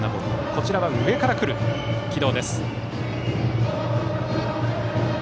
こちらは上から来る軌道です。